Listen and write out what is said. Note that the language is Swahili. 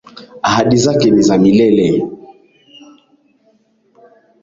Ahadi zake ni za milele.